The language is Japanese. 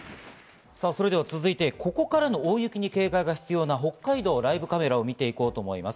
続いて、ここからの大雪に警戒が必要な北海道ライブカメラを見て行こうと思います。